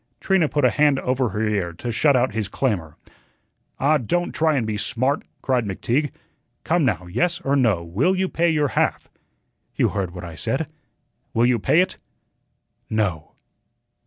Trina put a hand over her ear to shut out his clamor. "Ah, don't try and be smart," cried McTeague. "Come, now, yes or no, will you pay your half?" "You heard what I said." "Will you pay it?" "No."